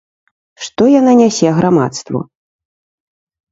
Што яна нясе грамадству?